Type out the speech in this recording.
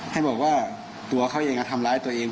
ให้บอกว่าตัวเขาเองทำร้ายตัวเอง